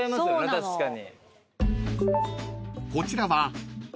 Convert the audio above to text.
確かに。